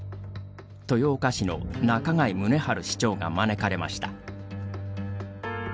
豊岡市の中貝宗治市長が招かれました。